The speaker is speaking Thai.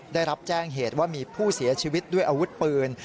ได้รับแจ้งเหตุว่ามีผู้เสียชีวิตด้วยอาวุธปืน